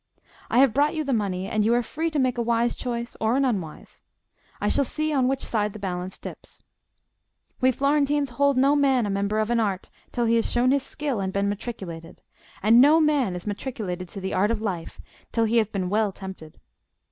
I have brought you the money, and you are free to make a wise choice or an unwise: I shall see on which side the balance dips. We Florentines hold no man a member of an Art till he has shown his skill and been matriculated; and no man is matriculated to the art of life till he has been well tempted.